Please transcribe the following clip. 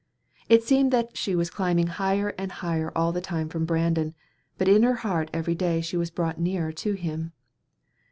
It seemed that she was climbing higher and higher all the time from Brandon, but in her heart every day she was brought nearer to him.